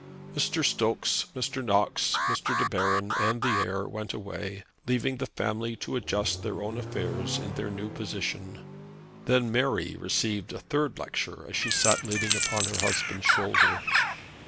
Mr. Stokes, Mr. Knox, Mr. De Baron and the heir went away, leaving the family to adjust their own affairs in their new position. Then Mary received a third lecture as she sat leaning upon her husband's shoulder.